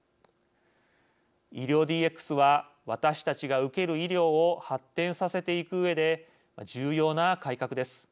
医療ＤＸは私たちが受ける医療を発展させていくうえで重要な改革です。